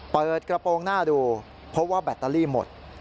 เปิดกระโปรงหน้าดูพบว่าแบตเตอรี่หมด